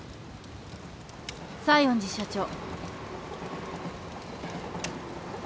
西園寺社長。